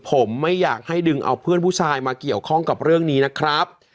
ผมไม่อยากให้ดึงเอาเพื่อนผู้ชายมาเกี่ยวข้องกับเรื่องนี้นะครับ